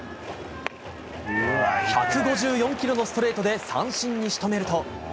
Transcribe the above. １５４キロのストレートで三振に仕留めると。